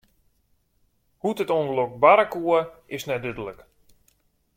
Hoe't it ûngelok barre koe, is net dúdlik.